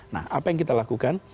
nah apa yang kita lakukan